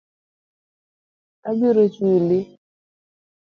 Abiro chuli.